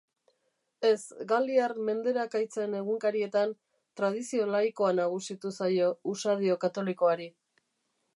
Ez, galiar menderakaitzen egunkarietan, tradizio laikoa nagusitu zaio usadio katolikoari.